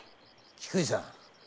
⁉菊路さん。